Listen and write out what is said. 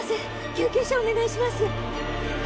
救急車お願いします。